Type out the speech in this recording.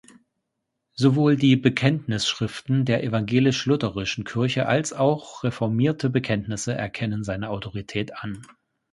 Sowohl die Bekenntnisschriften der evangelisch-lutherischen Kirche als auch reformierte Bekenntnisse erkennen seine Autorität an.